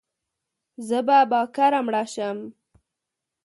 زه به باکره مړه شم